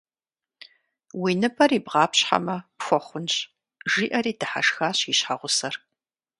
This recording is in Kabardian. - Уи ныбэр ибгъапщхьэмэ, пхуэхъунщ, - жиӏэри дыхьэшхащ и щхьэгъусэр.